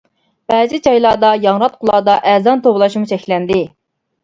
بەزى جايلاردا ياڭراتقۇلاردا ئەزان توۋلاشمۇ چەكلەندى.